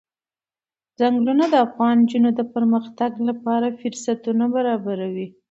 ځنګلونه د افغان نجونو د پرمختګ لپاره فرصتونه برابروي.